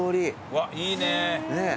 うわいいね。